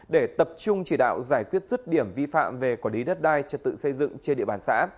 để tập trung chỉ đạo giải quyết rứt điểm vi phạm về quản lý đất đai trật tự xây dựng trên địa bàn xã